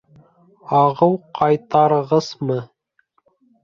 Ағыу ҡайтарғыс мы?